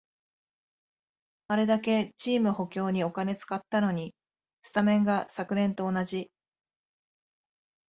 あれだけチーム補強にお金使ったのに、スタメンが昨年と同じ